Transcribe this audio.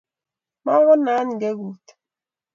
makonaat ngekut